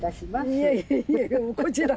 いやいやいやこちらこそ。